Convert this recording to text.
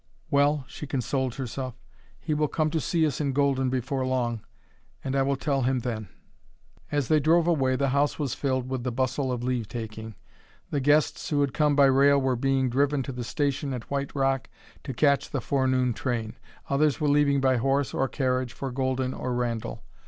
"Well," she consoled herself, "he will come to see us in Golden before long, and I will tell him then." As they drove away the house was filled with the bustle of leave taking. The guests who had come by rail were being driven to the station at White Rock to catch the forenoon train. Others were leaving by horse or carriage for Golden or Randall.